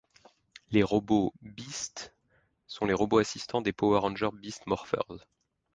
Les Robots Beast sont les robots assistants des Power Rangers Beast Morphers.